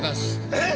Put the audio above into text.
えっ！？